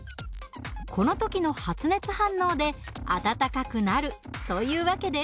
この時の発熱反応で温かくなるという訳です。